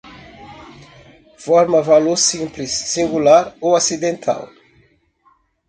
Forma-valor simples, singular ou acidental